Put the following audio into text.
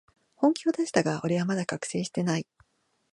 本気を出したが、俺はまだ覚醒してない